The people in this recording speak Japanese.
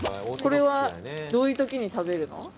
これはどういう時に食べるの？